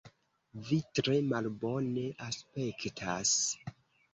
Vi tre malbone aspektas.